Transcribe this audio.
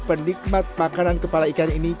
penikmat makanan kepala ikan ini